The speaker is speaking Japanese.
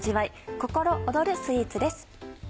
心躍るスイーツです。